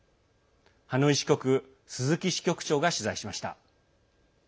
ハノイ支局鈴木支局長が取材しました。